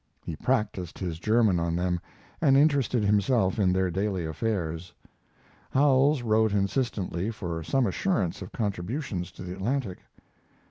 He practised his German on them, and interested himself in their daily affairs. Howells wrote insistently for some assurance of contributions to the Atlantic.